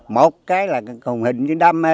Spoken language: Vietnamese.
một cái là hùng hình đam mê